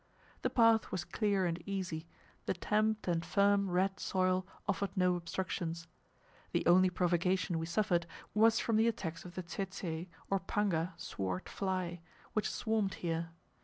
The path was clear and easy, the tamped and firm red soil offered no obstructions. The only provocation we suffered was from the attacks of the tsetse, or panga (sword) fly, which swarmed here.